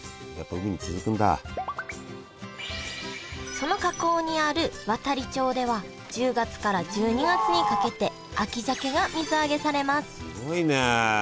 その河口にある亘理町では１０月から１２月にかけて秋鮭が水揚げされますすごいね。